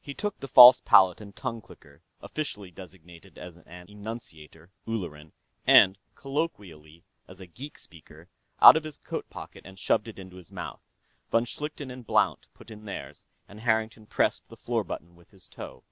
He took the false palate and tongue clicker, officially designated as an "enunciator, Ulleran" and, colloquially, as a geek speaker, out of his coat pocket and shoved it into his mouth. Von Schlichten and Blount put in theirs, and Harrington pressed the floor button with his toe.